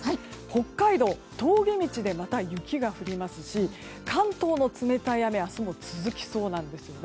北海道峠道でまた雪が降りますし関東も冷たい雨明日も続きそうなんです。